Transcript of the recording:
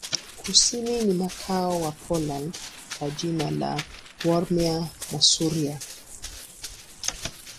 Kusini ni mkoa wa Poland kwa jina la Warmia-Masuria.